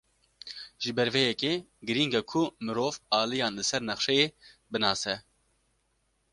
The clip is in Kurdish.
Ji ber vê yekê, girîng e ku mirov aliyan li ser nexşeyê binase.